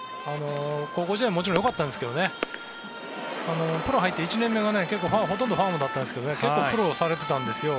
高校時代もよかったんですけどプロに入って１年目がほとんどファームで結構苦労されていたんですよ。